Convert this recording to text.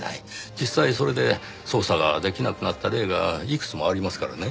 実際それで捜査が出来なくなった例がいくつもありますからね。